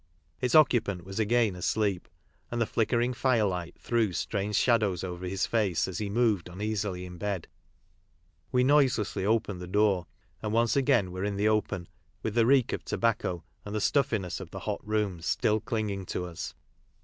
Its occupant was again asleep, and the flickering fire light threw strange shadows over his face as he moved uneasily in bed. We noiselessly opened the door, and once again were in the open, with the reek of tobacco and the stuffiness of the hot rooms still clinging to us.